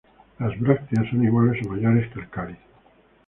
Las brácteas son iguales o mayores que el cáliz.